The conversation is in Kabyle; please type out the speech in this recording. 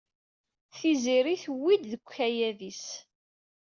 Tiziri tewwi-d D deg ukayad-is.